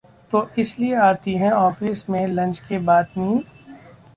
...तो इसलिए आती है ऑफिस में लंच के बाद नींद